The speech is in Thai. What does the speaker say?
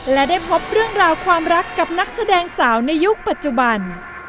และได้พบเรื่องราวความรักกับนักแสดงสาวในยุคปัจจุบัน